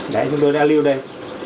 đấy chúng tôi đã lưu đây